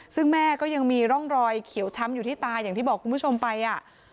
ซึ่งแม่ก็ยังมีร่องรอยเขียวช้ำอยู่ที่ตาอย่างที่บอกคุณผู้ชมไปอ่ะ